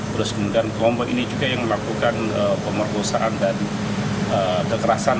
terus kemudian kelompok ini juga yang melakukan pemerkosaan dan kekerasan